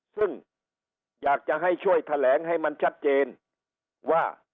ซึ่งอยากจะให้ช่วยแถลงให้มันชัดเจนว่า